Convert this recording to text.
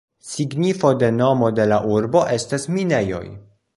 Signifo de nomo de la urbo estas "minejoj".